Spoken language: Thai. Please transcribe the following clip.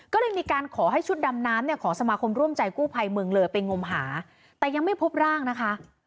ก็เลยมีการขอให้ชุดดำน้ำเนี่ยของสมาคมร่วมใจกู้ภัยเมืองเลยไปงมหาแต่ยังไม่พบร่างนะคะ